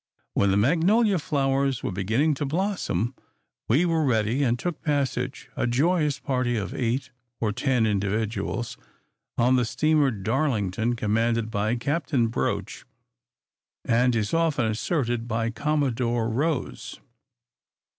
When the magnolia flowers were beginning to blossom, we were ready, and took passage a joyous party of eight or ten individuals on the steamer "Darlington," commanded by Capt. Broch, and, as is often asserted, by "Commodore Rose."